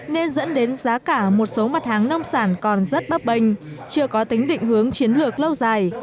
nên dẫn đến giá cả một số mặt hàng nông sản còn rất bấp bênh chưa có tính định hướng chiến lược lâu dài